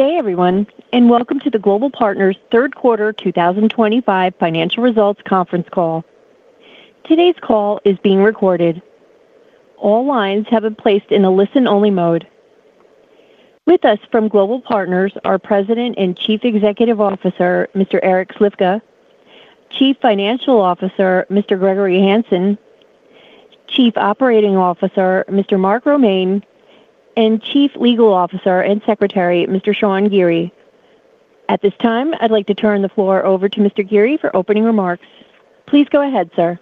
Hey, everyone, and welcome to the Global Partners' third quarter 2025 financial results conference call. Today's call is being recorded. All lines have been placed in a listen-only mode. With us from Global Partners are President and Chief Executive Officer Mr. Eric Slifka, Chief Financial Officer Mr. Gregory Hanson, Chief Operating Officer Mr. Mark Romaine, and Chief Legal Officer and Secretary Mr. Sean Geary. At this time, I'd like to turn the floor over to Mr. Geary for opening remarks. Please go ahead, sir.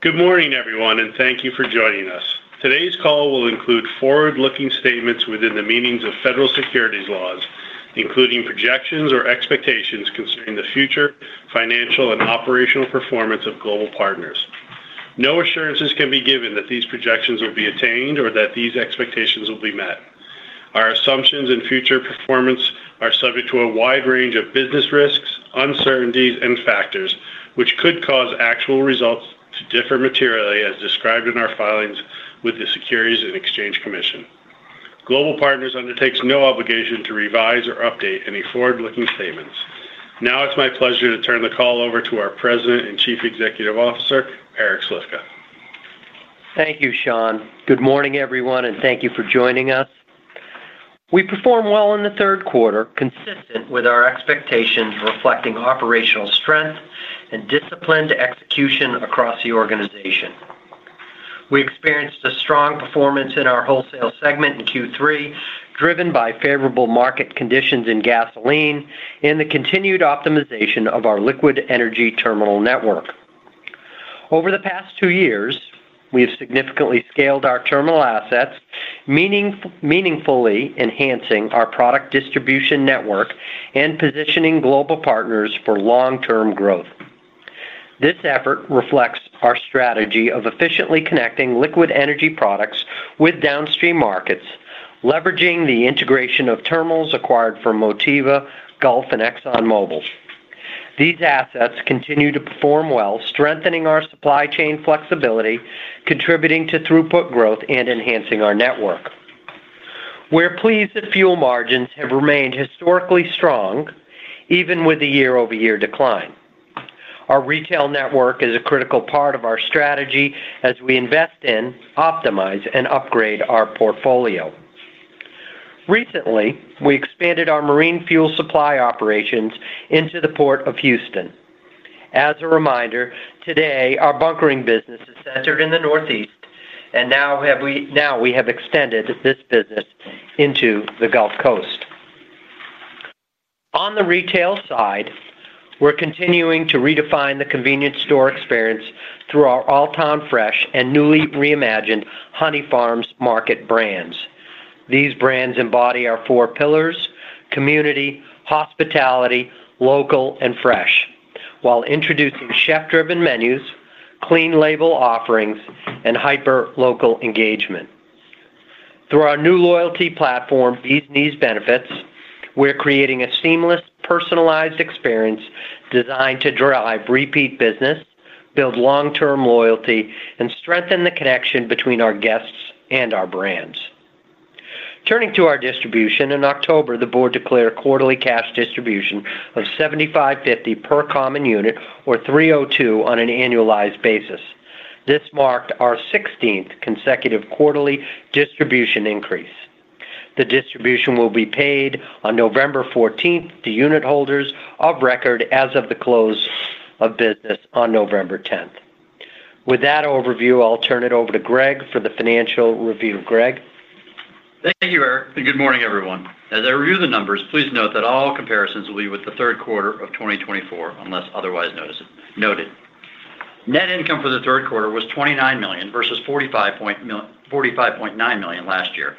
Good morning, everyone, and thank you for joining us. Today's call will include forward-looking statements within the meanings of federal securities laws, including projections or expectations concerning the future financial and operational performance of Global Partners. No assurances can be given that these projections will be attained or that these expectations will be met. Our assumptions and future performance are subject to a wide range of business risks, uncertainties, and factors which could cause actual results to differ materially as described in our filings with the Securities and Exchange Commission. Global Partners undertakes no obligation to revise or update any forward-looking statements. Now it's my pleasure to turn the call over to our President and Chief Executive Officer Eric Slifka. Thank you, Sean. Good morning, everyone, and thank you for joining us. We performed well in the third quarter, consistent with our expectations, reflecting operational strength and disciplined execution across the organization. We experienced a strong performance in our wholesale segment in Q3, driven by favorable market conditions in gasoline and the continued optimization of our liquid energy terminal network. Over the past two years, we have significantly scaled our terminal assets, meaningfully enhancing our product distribution network and positioning Global Partners for long-term growth. This effort reflects our strategy of efficiently connecting liquid energy products with downstream markets, leveraging the integration of terminals acquired from Motiva, Gulf, and ExxonMobil. These assets continue to perform well, strengthening our supply chain flexibility, contributing to throughput growth, and enhancing our network. We're pleased that fuel margins have remained historically strong, even with the year-over-year decline. Our retail network is a critical part of our strategy as we invest in, optimize, and upgrade our portfolio. Recently, we expanded our marine fuel supply operations into the Port of Houston. As a reminder, today, our bunkering business is centered in the Northeast, and now we have extended this business into the Gulf Coast. On the retail side, we're continuing to redefine the convenience store experience through our all-time fresh and newly reimagined Honey Farms Market brands. These brands embody our four pillars: community, hospitality, local, and fresh, while introducing chef-driven menus, clean label offerings, and hyper-local engagement. Through our new loyalty platform, Bee's Knees Benefits, we're creating a seamless, personalized experience designed to drive repeat business, build long-term loyalty, and strengthen the connection between our guests and our brands. Turning to our distribution, in October, the board declared a quarterly cash distribution of $0.7550 per common unit or $3.02 on an annualized basis. This marked our 16th consecutive quarterly distribution increase. The distribution will be paid on November 14th to unit holders of record as of the close of business on November 10th. With that overview, I'll turn it over to Greg for the financial review. Greg. Thank you, Eric. Good morning, everyone. As I review the numbers, please note that all comparisons will be with the third quarter of 2024 unless otherwise noted. Net income for the third quarter was $29 million versus $45.9 million last year.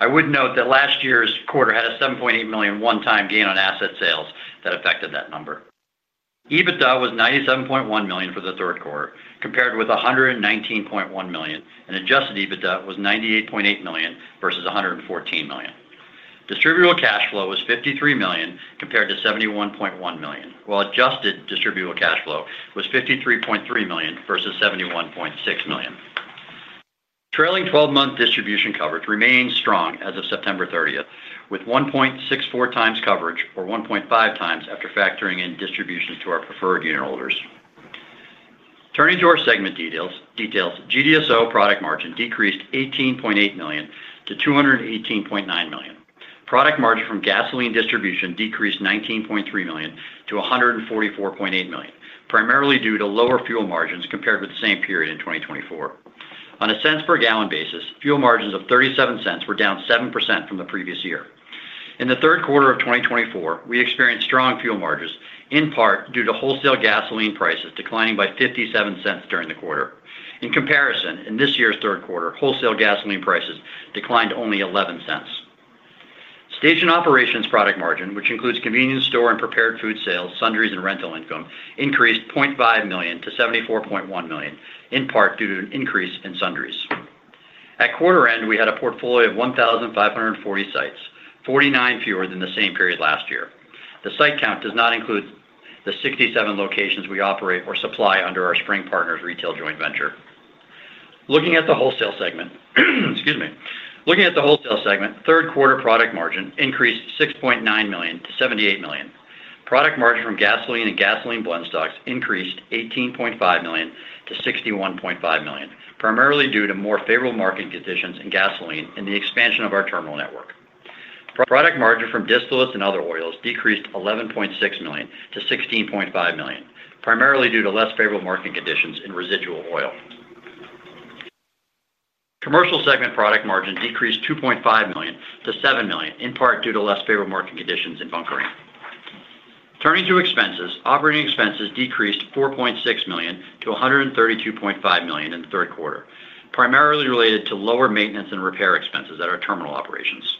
I would note that last year's quarter had a $7.8 million one-time gain on asset sales that affected that number. EBITDA was $97.1 million for the third quarter, compared with $119.1 million. Adjusted EBITDA was $98.8 million versus $114 million. Distributable cash flow was $53 million compared to $71.1 million, while adjusted distributable cash flow was $53.3 million versus $71.6 million. Trailing 12-month distribution coverage remains strong as of September 30th, with 1.64x coverage or 1.5x after factoring in distributions to our preferred unit holders. Turning to our segment details, GDSO product margin decreased $18.8 million to $218.9 million. Product margin from gasoline distribution decreased $19.3 million to $144.8 million, primarily due to lower fuel margins compared with the same period in 2024. On a cents per gallon basis, fuel margins of $0.37 were down 7% from the previous year. In the third quarter of 2024, we experienced strong fuel margins, in part due to wholesale gasoline prices declining by $0.57 during the quarter. In comparison, in this year's third quarter, wholesale gasoline prices declined only $0.11. Stage and operations product margin, which includes convenience store and prepared food sales, sundries, and rental income, increased $0.5 million to $74.1 million, in part due to an increase in sundries. At quarter end, we had a portfolio of 1,540 sites, 49 fewer than the same period last year. The site count does not include the 67 locations we operate or supply under our Spring Partners retail joint venture. Looking at the wholesale segment, excuse me. Looking at the wholesale segment, third quarter product margin increased $6.9 million to $78 million. Product margin from gasoline and gasoline blend stocks increased $18.5 million to $61.5 million, primarily due to more favorable marketing conditions in gasoline and the expansion of our terminal network. Product margin from distillates and other oils decreased $11.6 million to $16.5 million, primarily due to less favorable marketing conditions in residual oil. Commercial segment product margin decreased $2.5 million to $7 million, in part due to less favorable marketing conditions in bunkering. Turning to expenses, operating expenses decreased $4.6 million to $132.5 million in the third quarter, primarily related to lower maintenance and repair expenses at our terminal operations.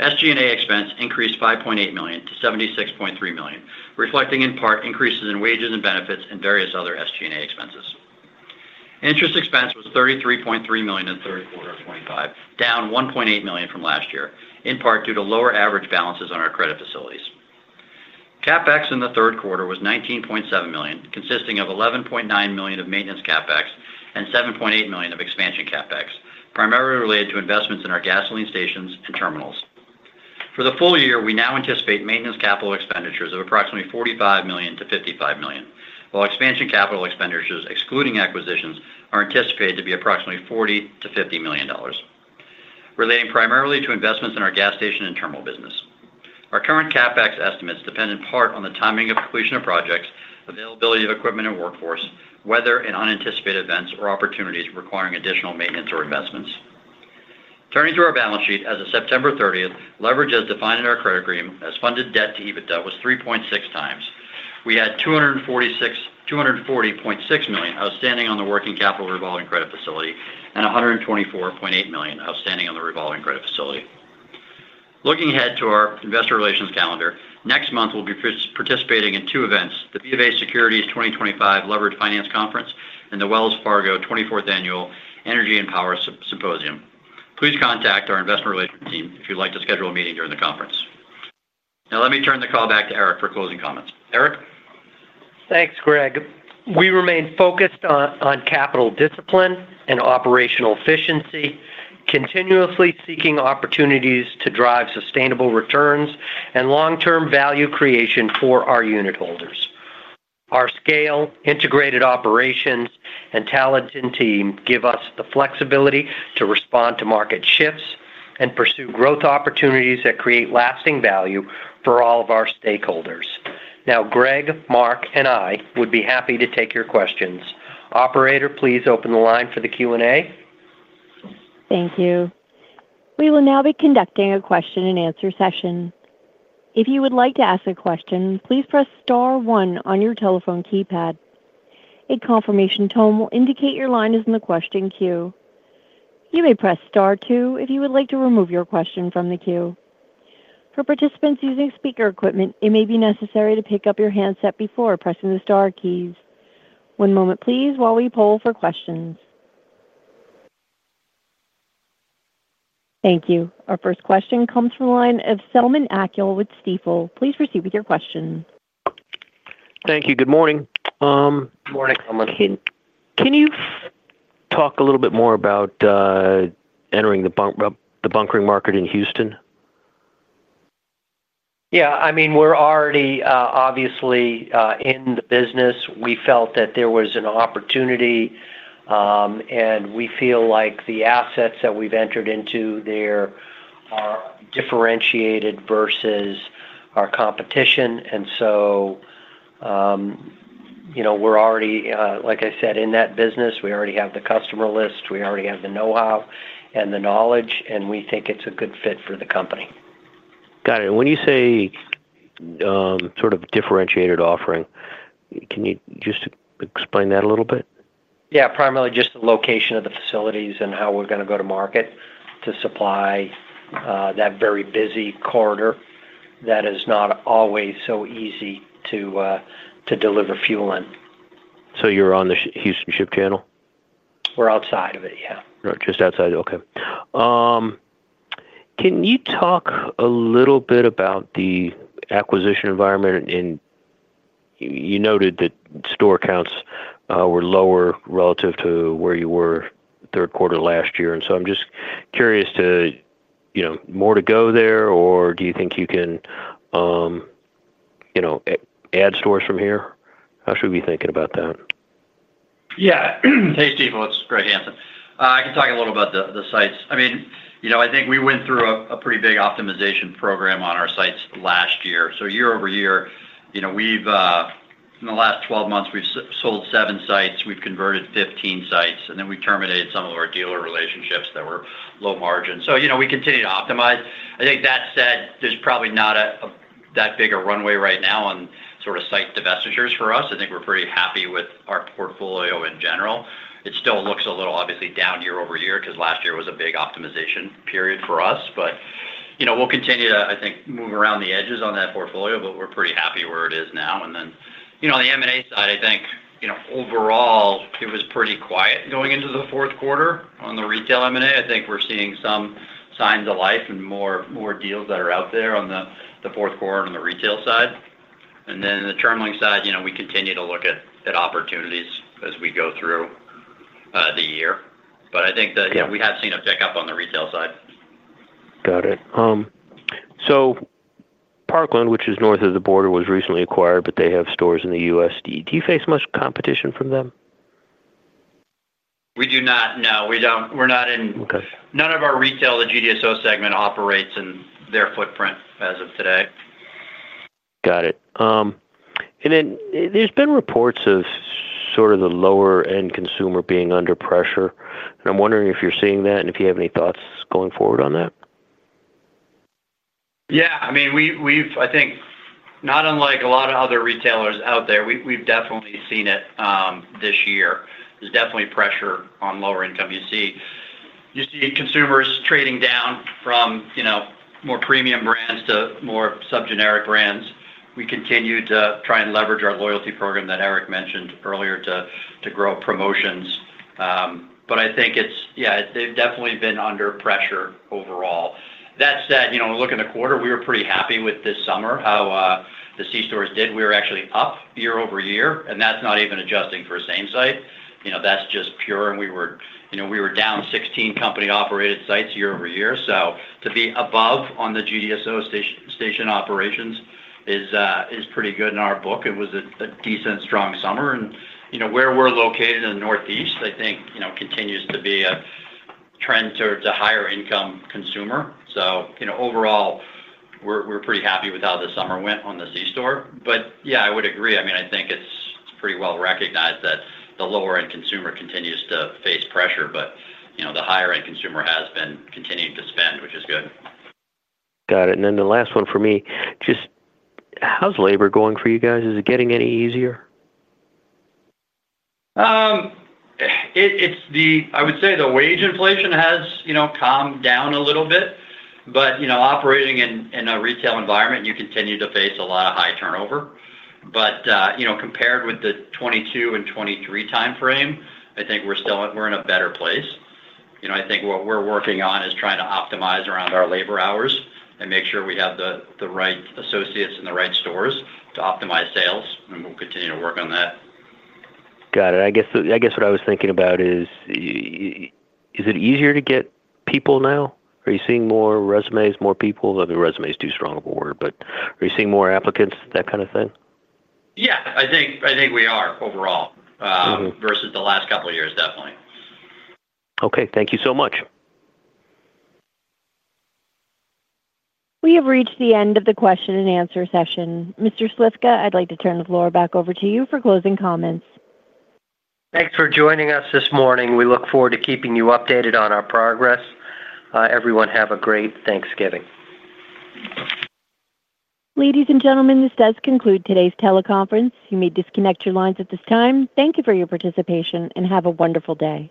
SG&A expense increased $5.8 million to $76.3 million, reflecting in part increases in wages and benefits and various other SG&A expenses. Interest expense was $33.3 million in the third quarter of 2025, down $1.8 million from last year, in part due to lower average balances on our credit facilities. CapEx in the third quarter was $19.7 million, consisting of $11.9 million of maintenance CapEx and $7.8 million of expansion CapEx, primarily related to investments in our gasoline stations and terminals. For the full year, we now anticipate maintenance capital expenditures of approximately $45 million-$55 million, while expansion capital expenditures, excluding acquisitions, are anticipated to be approximately $40 million-$50 million, relating primarily to investments in our gas station and terminal business. Our current CapEx estimates depend in part on the timing of completion of projects, availability of equipment and workforce, weather, and unanticipated events or opportunities requiring additional maintenance or investments. Turning to our balance sheet, as of September 30th, leverage as defined in our credit agreement as funded debt to EBITDA was 3.6x. We had $240.6 million outstanding on the working capital revolving credit facility and $124.8 million outstanding on the revolving credit facility. Looking ahead to our investor relations calendar, next month we'll be participating in two events: the BofA Securities 2025 Leverage Finance Conference and the Wells Fargo 24th Annual Energy and Power Symposium. Please contact our investor relations team if you'd like to schedule a meeting during the conference. Now, let me turn the call back to Eric for closing comments. Eric? Thanks, Greg. We remain focused on capital discipline and operational efficiency, continuously seeking opportunities to drive sustainable returns and long-term value creation for our unit holders. Our scale, integrated operations, and talented team give us the flexibility to respond to market shifts and pursue growth opportunities that create lasting value for all of our stakeholders. Now, Greg, Mark, and I would be happy to take your questions. Operator, please open the line for the Q&A. Thank you. We will now be conducting a question-and-answer session. If you would like to ask a question, please press star one on your telephone keypad. A confirmation tone will indicate your line is in the question queue. You may press star two if you would like to remove your question from the queue. For participants using speaker equipment, it may be necessary to pick up your handset before pressing the star keys. One moment, please, while we poll for questions. Thank you. Our first question comes from the line of Selman Akyol with Stifel. Please proceed with your question. Thank you. Good morning. Good morning, Selman. Can you talk a little bit more about entering the bunkering market in Houston? Yeah. I mean, we're already obviously in the business. We felt that there was an opportunity, and we feel like the assets that we've entered into there are differentiated versus our competition. We're already, like I said, in that business. We already have the customer list. We already have the know-how and the knowledge, and we think it's a good fit for the company. Got it. When you say sort of differentiated offering, can you just explain that a little bit? Yeah. Primarily just the location of the facilities and how we're going to go to market to supply that very busy quarter that is not always so easy to deliver fuel in. You're on the Houston Ship Channel? We're outside of it, yeah. Just outside of it. Okay. Can you talk a little bit about the acquisition environment? You noted that store counts were lower relative to where you were third quarter last year. I'm just curious, is there more to go there, or do you think you can add stores from here? How should we be thinking about that? Yeah. Hey, Stifel. It's Greg Hanson. I can talk a little about the sites. I mean, I think we went through a pretty big optimization program on our sites last year. So year-over-year, in the last 12 months, we've sold 7 sites. We've converted 15 sites, and then we terminated some of our dealer relationships that were low margin. We continue to optimize. I think that said, there's probably not that big a runway right now on sort of site divestitures for us. I think we're pretty happy with our portfolio in general. It still looks a little, obviously, down year over year because last year was a big optimization period for us. We'll continue to, I think, move around the edges on that portfolio, but we're pretty happy where it is now. On the M&A side, I think overall, it was pretty quiet going into the fourth quarter on the retail M&A. I think we're seeing some signs of life and more deals that are out there on the fourth quarter on the retail side. On the terminal side, we continue to look at opportunities as we go through the year. I think that we have seen a pickup on the retail side. Got it. Parkland, which is north of the Border, was recently acquired, but they have stores in the U.S. Do you face much competition from them? We do not. No. We're not in, none of our retail, the GDSO segment operates in their footprint as of today. Got it. There have been reports of sort of the lower-end consumer being under pressure. I'm wondering if you're seeing that and if you have any thoughts going forward on that. Yeah. I mean, I think not unlike a lot of other retailers out there, we've definitely seen it this year. There's definitely pressure on lower-income. You see consumers trading down from more premium brands to more sub-generic brands. We continue to try and leverage our loyalty program that Eric mentioned earlier to grow promotions. I think, yeah, they've definitely been under pressure overall. That said, looking at the quarter, we were pretty happy with this summer, how the C-stores did. We were actually up year-over-year, and that's not even adjusting for a same site. That's just pure. We were down 16 company-operated sites year-over-year. To be above on the GDSO station operations is pretty good in our book. It was a decent, strong summer. Where we're located in the Northeast, I think, continues to be a trend to higher-income consumer. Overall, we're pretty happy with how this summer went on the C-store. Yeah, I would agree. I mean, I think it's pretty well recognized that the lower-end consumer continues to face pressure, but the higher-end consumer has been continuing to spend, which is good. Got it. The last one for me, just how's labor going for you guys? Is it getting any easier? I would say the wage inflation has calmed down a little bit. Operating in a retail environment, you continue to face a lot of high turnover. Compared with the 2022 and 2023 timeframe, I think we're in a better place. I think what we're working on is trying to optimize around our labor hours and make sure we have the right associates in the right stores to optimize sales. We'll continue to work on that. Got it. I guess what I was thinking about is, is it easier to get people now? Are you seeing more resumes, more people? I mean, resumes do strong at Border, but are you seeing more applicants, that kind of thing? Yeah. I think we are overall versus the last couple of years, definitely. Okay. Thank you so much. We have reached the end of the question-and-answer session. Mr. Slifka, I'd like to turn the floor back over to you for closing comments. Thanks for joining us this morning. We look forward to keeping you updated on our progress. Everyone, have a great Thanksgiving. Ladies and gentlemen, this does conclude today's teleconference. You may disconnect your lines at this time. Thank you for your participation, and have a wonderful day.